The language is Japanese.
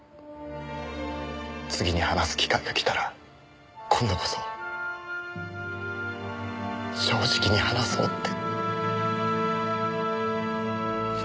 次に話す機会が来たら今度こそ正直に話そうって。